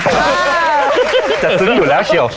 จะซึ้งอยู่แล้วเชียว